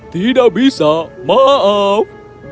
tidak bisa maaf